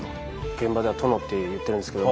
現場では「殿」って言ってるんですけど